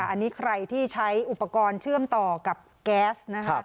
อันนี้ใครที่ใช้อุปกรณ์เชื่อมต่อกับแก๊สนะคะ